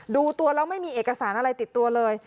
ดูตัวแล้วไม่มีเอกสารอะไรติดตัวเลย